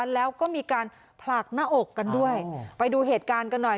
แล้วก็มีการผลักหน้าอกกันด้วยไปดูเหตุการณ์กันหน่อย